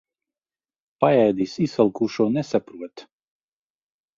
Paēdis izsalkušo nesaprot.